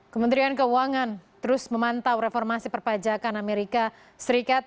kementerian keuangan terus memantau reformasi perpajakan amerika serikat